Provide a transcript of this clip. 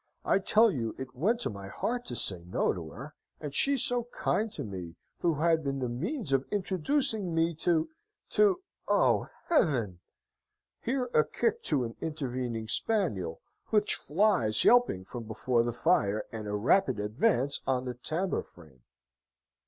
I tell you it went to my heart to say no to her, and she so kind to me, and who had been the means of introducing me to to O heaven!" (Here a kick to an intervening spaniel, which flies yelping from before the fire, and a rapid advance on the tambour frame.)